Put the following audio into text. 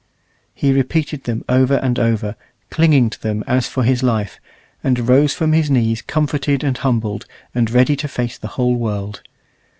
He repeated them over and over, clinging to them as for his life, and rose from his knees comforted and humbled, and ready to face the whole world.